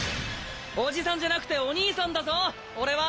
おじさんじゃなくておにいさんだぞ俺は！